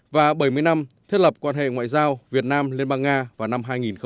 và bảy mươi năm thiết lập quan hệ ngoại giao việt nam liên bang nga vào năm hai nghìn hai mươi